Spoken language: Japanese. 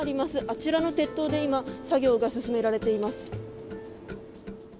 あちらの鉄塔で今、作業が進められています。